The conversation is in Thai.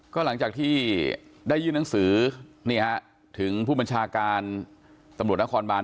ก็หลังจากที่ได้ยื่นหนังสือนี่ฮะถึงผู้บัญชาการตำรวจนครบาน